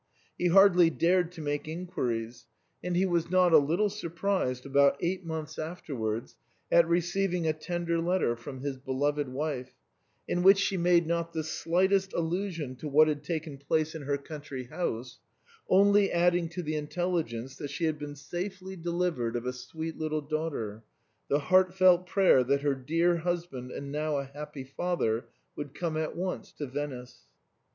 He hardly dared to make inquiries ; and he was not a little surprised about eight months afterwards at receiving a tender letter from his beloved wife, in which she made not the slightest allu sion to what had taken place in her country house, only adding to the intelligence that she had been safely de livered of a sweet little daughter the heartfelt prayer that her dear husband and now a happy father would come at once to Venice.